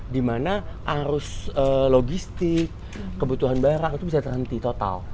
di mana arus logistik kebutuhan barang itu bisa terhenti total